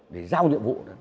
để giao nhiệm vụ